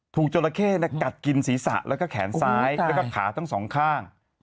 จราเข้กัดกินศีรษะแล้วก็แขนซ้ายแล้วก็ขาทั้งสองข้าง